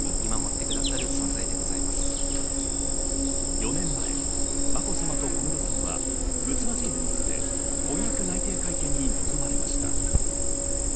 ４年前、まこさまと小室さんは仲睦まじい様子で婚約内定会見に臨まれました。